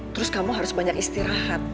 terus kamu harus banyak istirahat